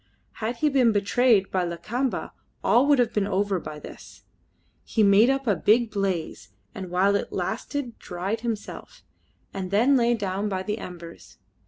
Had he been betrayed by Lakamba all would have been over by this. He made up a big blaze, and while it lasted dried himself, and then lay down by the embers.